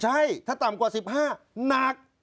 ใช่ถ้าต่ำกว่า๑๕หนัก